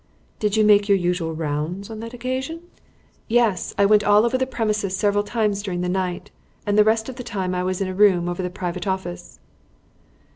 "Did you make your usual rounds on that occasion?" "Yes. I went all over the premises several times during the night, and the rest of the time I was in a room over the private office."